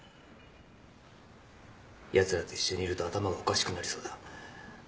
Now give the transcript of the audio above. やつらと一緒にいると頭がおかしくなりそうだ。